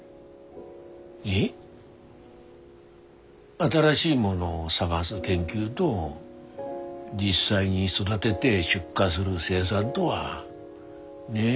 新しいものを探す研究ど実際に育でで出荷する生産どはねえ